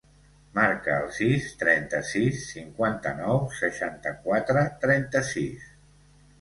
Marca el sis, trenta-sis, cinquanta-nou, seixanta-quatre, trenta-sis.